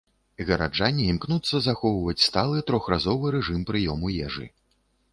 Гараджане імкнуцца захоўваць сталы трохразовы рэжым прыёму ежы.